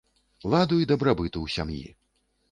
Ладу і дабрабыту ў сям'і!